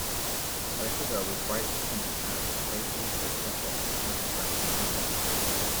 A little girl with bright pink pants playfully sticks her face in a contraption on a playground.